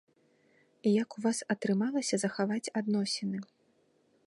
Як у вас атрымалася захаваць адносіны?